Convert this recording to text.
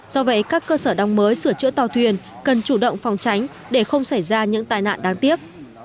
do vậy các cơ sở đóng mới sửa chữa tàu thuyền cần chủ động phòng tránh để không xảy ra những tai nạn đáng tiếc